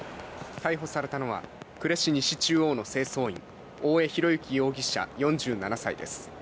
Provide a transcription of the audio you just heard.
逮捕されたのは、呉市西中央の清掃員、大江博之容疑者４７歳です。